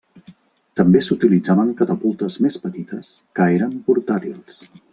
També s'utilitzaven catapultes més petites, que eren portàtils.